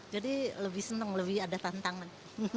jadi lebih senang lebih ada tantangan